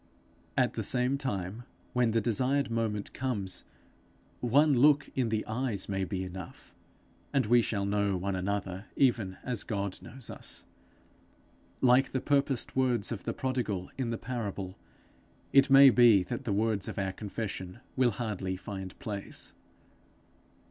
At the same time, when the desired moment comes, one look in the eyes may be enough, and we shall know one another even as God knows us. Like the purposed words of the prodigal in the parable, it may be that the words of our confession will hardly find place.